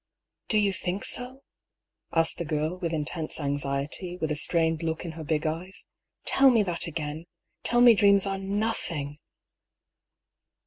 " Do you think so ?" asked the girl, with intense anxiety, with a strained look in her big eyes. " Tell me that again ! Tell me dreams are nothing